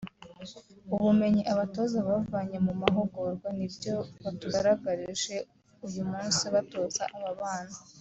“Ubumenyi abatoza bavanye mu mahugurwa n’ibyo batugaragarije uyu munsi batoza aba bana